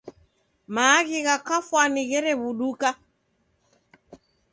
Maaghi gha kafwani gherebuduka.